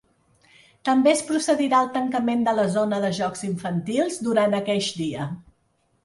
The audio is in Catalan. També es procedirà al tancament de la zona de jocs infantils durant aqueix dia.